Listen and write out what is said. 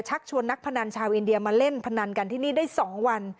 ชวนนักพนันชาวอินเดียมาเล่นพนันกันที่นี่ได้๒วัน